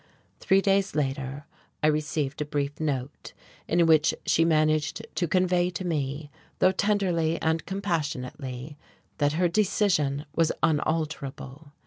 Three days later I received a brief note in which she managed to convey to me, though tenderly and compassionately, that her decision was unalterable.